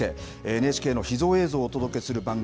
ＮＨＫの秘蔵映像をお届けする番組。